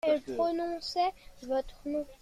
Elle prononçait votre nom !